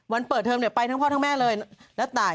เปิดเทอมเนี่ยไปทั้งพ่อทั้งแม่เลยและตาย